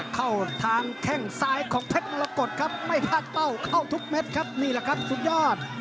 เข้าทางแข้งซ้ายของเพชรมรกฏครับไม่คาดเป้าเข้าทุกเม็ดครับนี่แหละครับสุดยอด